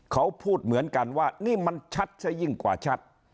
เขาพูดเหมือนกันว่านี่มันชัดซะยิ่งกว่าชัด